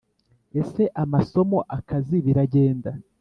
ese amasomo akazi biragenda